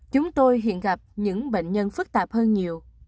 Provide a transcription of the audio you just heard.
chúng tôi hiện gặp những bệnh nhân phức tạp hơn nhiều